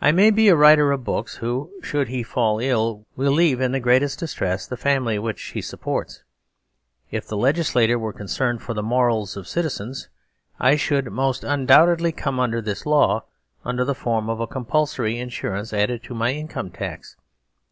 I may be a writer of books who, shouldhe fall ill, will leave in thegreatestdistress the family which he supports. If the legislator were concerned for the morals of citizens, I should most undoubtedly come under this law, under the form of a compulsory insuranceadded to my income tax.